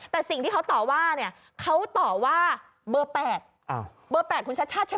แต่สิ่งที่เขาต่อว่าเนี่ยเขาต่อว่าเบอร์๘เบอร์๘คุณชัดชาติใช่ไหม